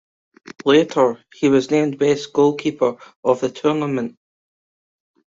Later, he was named best goalkeeper of the tournament.